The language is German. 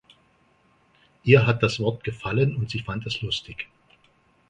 Ihr hat das Wort gefallen und sie fand es lustig.